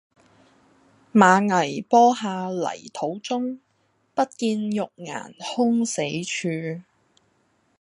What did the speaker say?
馬嵬坡下泥土中，不見玉顏空死處。